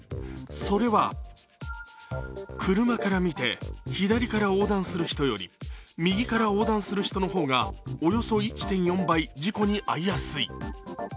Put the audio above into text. それは車から見て左から横断する人より右から横断する人の方がおよそ１．４倍事故に遭いやすい。